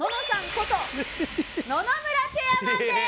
こと野々村チェアマンです！